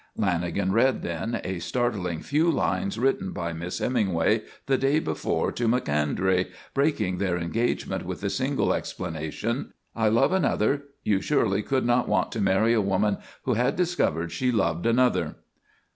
Lanagan read, then, a startling few lines written by Miss Hemingway the day before to Macondray, breaking their engagement with the single explanation: _I love another. You surely could not want to marry a woman who had discovered she loved another.